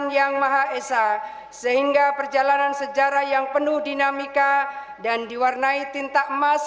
yang maha esa sehingga perjalanan sejarah yang penuh dinamika dan diwarnai tinta emas